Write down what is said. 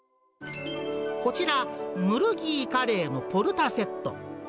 こちら、ムルギーカレーのポルタセット。